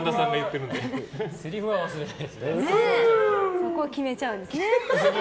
そこは決めちゃうんですね。